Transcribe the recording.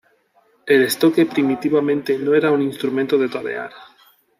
El estoque primitivamente no era un instrumento de torear.